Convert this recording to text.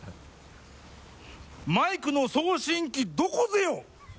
マイクの送信機どこぜよ？